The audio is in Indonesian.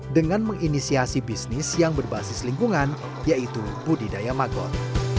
dengan menginisiasi bisnis yang berbasis lingkungan yaitu budidaya magot